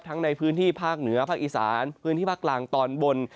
ในพื้นที่ภาคเหนือภาคอีสานพื้นที่ภาคกลางตอนบน